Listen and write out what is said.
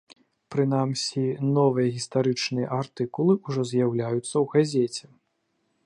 Прынамсі, новыя гістарычныя артыкулы ўжо з'яўляюцца ў газеце.